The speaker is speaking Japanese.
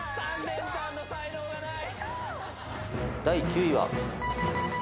第９位は。